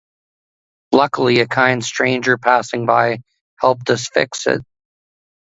Luckily, a kind stranger passing by helped us fix it.